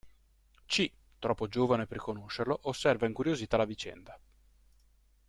C, troppo giovane per conoscerlo, osserva incuriosita la vicenda.